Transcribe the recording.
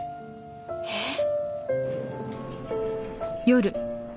えっ！？